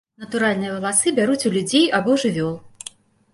Натуральныя валасы бяруць у людзей або жывёл.